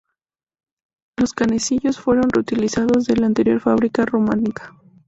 Los canecillos fueron reutilizados de la anterior fábrica románica.